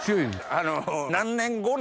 あの。